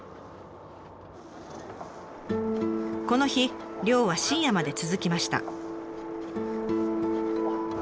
この日漁は深夜まで続きました。